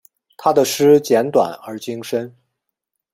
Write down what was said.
他的诗简短而精深。